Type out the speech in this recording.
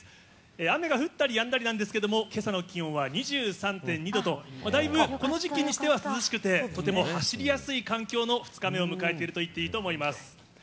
雨が降ったりやんだりなんですけども、けさの気温は２３．２度と、だいぶ、この時期にしては涼しくて、とても走りやすい環境の２日目を迎えているといっていいと思います。